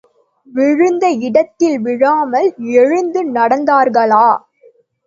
விழுந்த இடத்தில் விழாமல் எழுந்து நடந்தார்களா?